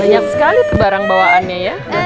banyak sekali tuh barang bawaannya ya